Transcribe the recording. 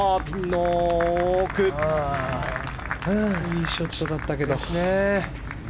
いいショットだったけど。